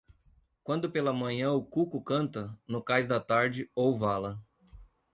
Quando pela manhã o cuco canta, no cais da tarde ou vala.